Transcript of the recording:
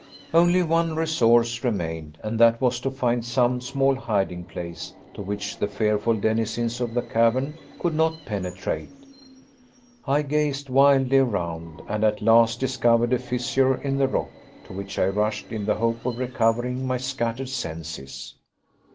Only one resource remained, and that was to find some small hiding place to which the fearful denizens of the cavern could not penetrate. I gazed wildly around, and at last discovered a fissure in the rock, to which I rushed in the hope of recovering my scattered senses.